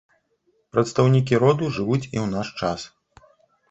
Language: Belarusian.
Прадстаўнікі роду жывуць і ў наш час.